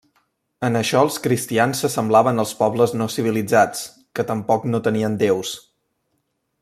En això els cristians s'assemblaven als pobles no civilitzats, que tampoc no tenien déus.